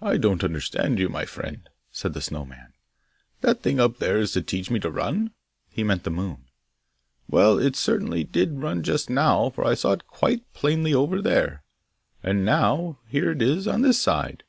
'I don't understand you, my friend,' said the Snow man. 'That thing up there is to teach me to run?' He meant the moon. 'Well, it certainly did run just now, for I saw it quite plainly over there, and now here it is on this side.